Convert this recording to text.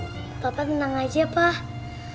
papa tenang aja pak